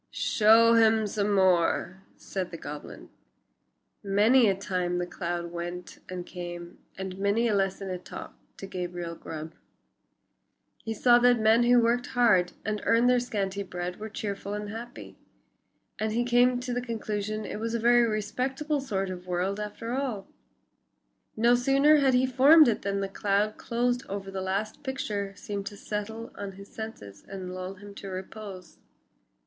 "Show him some more," said the goblin. Many a time the cloud went and came, and many a lesson it taught to Gabriel Grubb. He saw that men who worked hard and earned their scanty bread were cheerful and happy. And he came to the conclusion it was a very respectable sort of a world after all. No sooner had he formed it than the cloud closed over the last picture seemed to settle on his senses and lull him to repose.